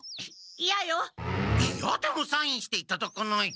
いやでもサインしていただかないと！